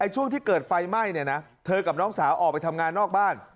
ช่วงที่เกิดไฟไหม้เนี่ยนะเธอกับน้องสาวออกไปทำงานนอกบ้าน